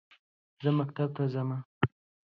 زه مکتب ته زمه